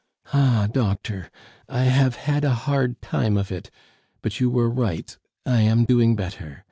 "Ah, doctor, I have had a hard time of it; but you were right, I am doing better.